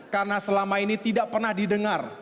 karena selama ini tidak pernah didengar